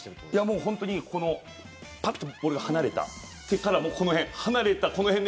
もう本当に、このパッとボールが離れた手から、もうこの辺離れたこの辺で。